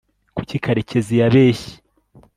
kuki karekezi yabeshye